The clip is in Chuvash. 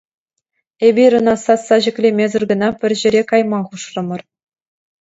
Эпир ӑна сасса ҫӗклемесӗр кӑна пӗр ҫӗре кайма хушрӑмӑр.